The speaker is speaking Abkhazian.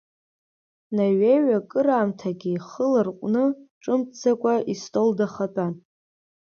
Наҩеи акыраамҭагьы ихы ларҟәны, ҿымҭӡакәа истол дахатәан.